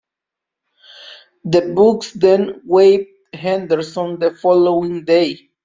The Bucks then waived Henderson the following day.